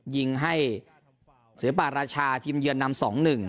ยิงให้เสื้อปากราชาทีมเยือนนำสองหนึ่ง